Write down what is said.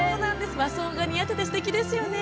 和装が似合っていて、すてきですね。